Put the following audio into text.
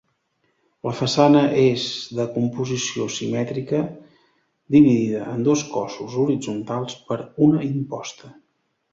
La façana és de composició simètrica, dividida en dos cossos horitzontals per una imposta.